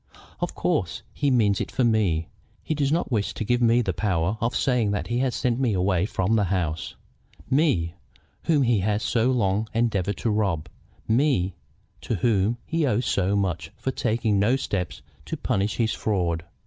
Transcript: Of course he means it for me. He does not wish to give me the power of saying that he sent me away from the house, me, whom he has so long endeavored to rob, me, to whom he owes so much for taking no steps to punish his fraud.